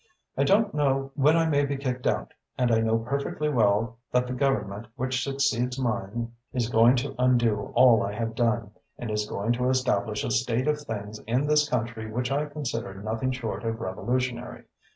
I don't know when I may be kicked out and I know perfectly well that the Government which succeeds mine is going to undo all I have done and is going to establish a state of things in this country which I consider nothing short of revolutionary.